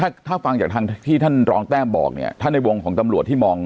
ถ้าถ้าฟังจากทางที่ท่านรองแต้มบอกเนี่ยถ้าในวงของตำรวจที่มอง